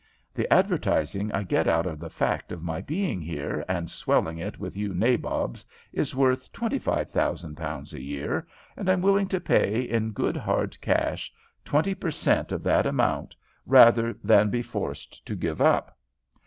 The advertising I get out of the fact of my being here and swelling it with you nabobs is worth twenty five thousand pounds a year, and I'm willing to pay, in good hard cash, twenty per cent of that amount rather than be forced to give up.